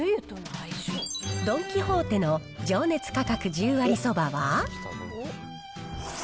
ドン・キホーテの情熱価格十割そばは。